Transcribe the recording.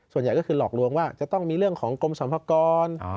ส่วนใหญ่ก็คือหลอกลวงว่าจะต้องมีเรื่องของกรมสรรพากร